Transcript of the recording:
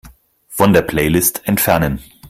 Von der Playlist entfernen.